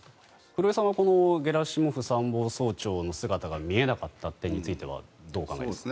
黒井さんはこのゲラシモフ参謀総長の姿が見えなかったことについてはどう思いますか？